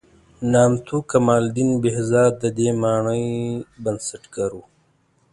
نامتو کمال الدین بهزاد د دې مانۍ بنسټګر و.